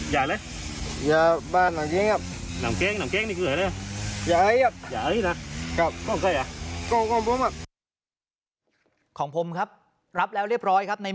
กลางบังคับการ